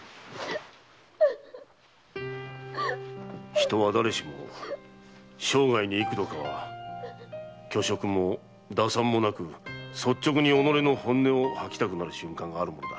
人は誰しも生涯に幾度かは虚飾も打算もなく率直に己の本音を吐きたくなる瞬間があるものだ。